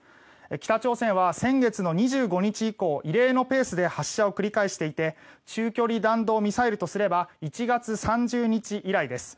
北朝鮮は先月の２５日以降異例のペースで発射を繰り返していて中距離弾道ミサイルとすれば１月３０日以来です。